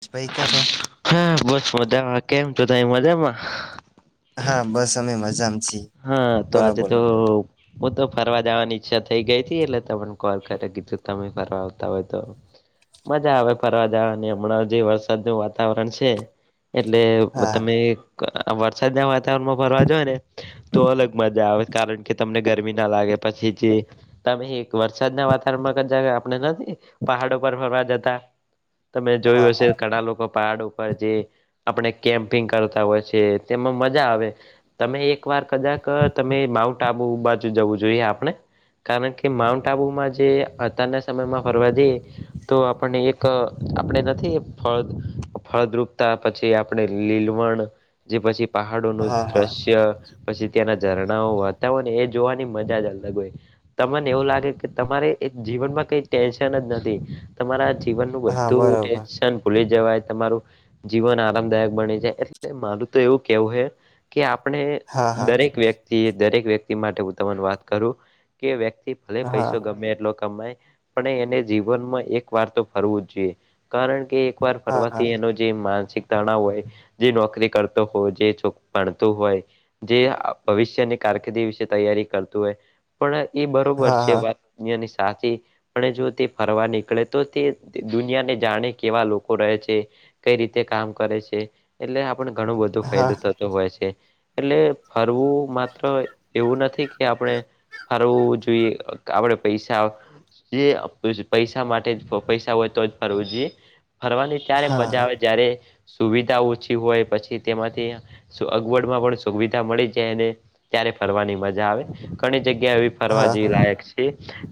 [unintelligible] છો હા બસ મજામાં કેમ છો તમે મજામાં હા બસ અમે મજા માં છીએ હા તો બોલો આજે તો બોલો હું તો ફરવા જવાની ઈચ્છા થઈ ગઈ હતી એટલે તને કોલ કરે કીધું તમે ફરવા આવતા હોય તો મજા આવે ફરવા જવાની હમણાં જે વરસાદ નો વાતાવરણ છે એટલે હા તમે વરસાદ ના વાતાવરણમાં ફરવા જાઓ ને તો અલગ મજા આવે કારણ કે તમને ગરમી ના લાગે પછી જે તમે વરસાદના વાતાવરણમાં [unintelligible] આપણે નથી પહાડો પર ફરવા જતા તમે હા જોયું હા હશે ઘણા લોકો પહડ ઉપર જે આપણે કેમ્પિંગ કરતા હોય છે તેમાં મજા આવે તમે એક એક વાર કદાક તમે માઉન્ટ આબુ બાજુ જવું જોઈએ આપણે કારણ કે માઉન્ટ આબુમાં જે અતારના સમયમાં ફરવા દઈએ તો આપણને એક આપણે નથી ફળ ફળદ્રુપતા પછી આપણે લીલવણ જે પછી પહાડોનું હા હા દ્રશ્ય પછી ત્યાંના ઝરણાઓ વાતા હોય ને એ જ જોવાની મજા જ અલગ હોય. તમને એવું લાગે કે તમારે એક જીવનમાં કઈ ટેન્શન જ નથી તમારા જીવન નું હા બધું બરોબર ટેન્શન ભૂલી જવાય તમારું જીવન આરામદાયક બનિ જાય એટલે મારું તો એવું કેવું હે કે આપણે હા હા દરેક વ્યક્તિ એ દરેક વ્યક્તિ માટે હું તને વાત કરું કે વ્યક્તિ ભલે હા પૈસો ગમે એટલો કમાય પણ એને જીવનમાં એક વાર તો ફરવું જ જોઈએ કારણ કે એક વાર હા હા ફરવાથી એનો જે માનસિક તણાવ હોય જે નોકરી કરતો હોય જે ભણતું હોય જે ભવિષ્યની કારકિર્દી વિશે તૈયારી કરતું હોય પણ એ બરોબર હા છે હા વાત ની સાથે [unintelligible] પણ જો તે ફરવા નીકળે તો તે દુનિયાને જાણે કેવા લોકો રહે છે કઈ રીતે કામ કરે છે એટલે આપને ઘણું બધું હા ફાયદો થતો હોય છે એટલે ફરવું માત્ર એવું નથી કે આપણે ફરવું જોઈએ આપડે પૈસા જે પૈસા માટે પૈસા હોય તો જ ફરવું જોઈએ ફરવાની ત્યારે હા મજા આવે જ્યારે સુવિધા ઓછી હોય પછી તેમાંથી અગવડમાં પણ સુવિધા મળી જાયને ત્યારે ફરવાની મજા આવે ઘણી જગ્યા એવી ફરવા હા હા જેવી લાયક છે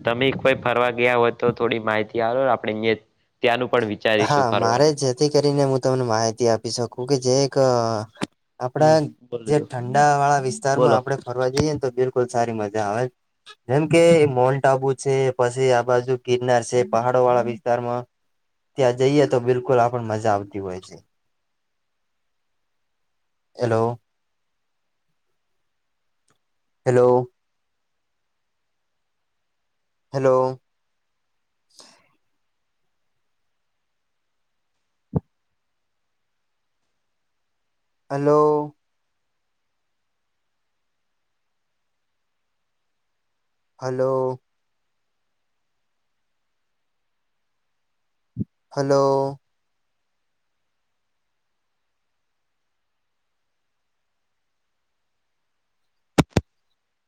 તમે કોઈ ફરવા ગયા હોય તો થોડી માહિતી આપો આપે અ ત્યાંનું પણ વિચારીશું હા મારે ફરવાનું જેથી કરીને હું તમને માહિતી આપી શકું કે જે એક [unintelligible] હમ આપડા બોલો જે જો ઠંડા વાળા બોલો વિસ્તારમાં આપણે ફરવા જઈએ ને તો બિલકુલ સારી મજા આવે જેમ કે મોન્ટ આબુ છે પછી આ બાજુ ગિરનાર છે પહાડો વાળા વિસ્તારમાં ત્યાં જઈએ તો બિલકુલ આપણ મજા આવતી હોય છે hello hello hello hello hello hello